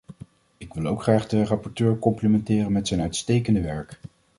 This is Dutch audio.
Ik wil ook graag de rapporteur complimenteren met zijn uitstekende werk.